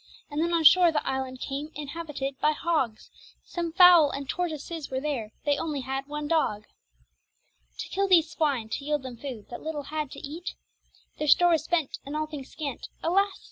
And then on shoare the iland came, inhabited by hogges, Some foule and tortoyses there were, they only had one dogge. To kill these swyne, to yeild them foode that little had to eate, Their store was spent, and all things scant, alas!